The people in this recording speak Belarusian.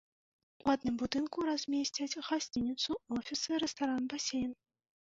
У адным будынку размесцяць гасцініцу, офісы, рэстаран, басейн.